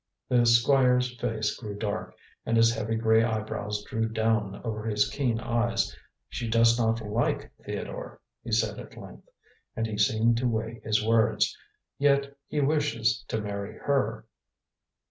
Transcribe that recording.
The Squire's face grew dark, and his heavy grey eyebrows drew down over his keen eyes. "She does not like Theodore," he said at length, and he seemed to weigh his words. "Yet he wishes to marry her."